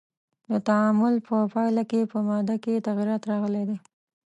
د تعامل په پایله کې په مادې کې تغیرات راغلی دی.